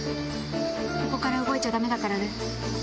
ここから動いちゃダメだからね。